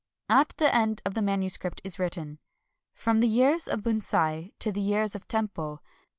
At the end of the manuscript is written, —'•^ From the years of Bunsei to the years of Tempo.